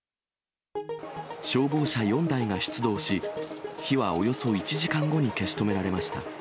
消防車４台が出動し、火はおよそ１時間後に消し止められました。